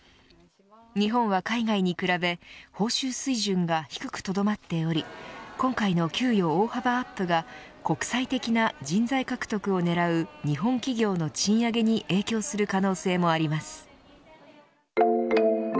日本は海外に比べ報酬水準が低くとどまっており今回の給与大幅アップが国際的な人材獲得を狙う日本企業の賃上げに影響する可能性もあります。